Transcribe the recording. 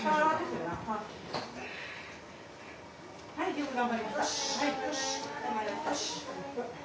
よく頑張りました。